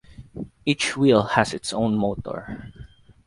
Each wheel has its own motor.